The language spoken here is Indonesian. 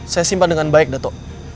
saya simpan dengan baik dato